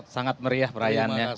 sangat meriah perayaannya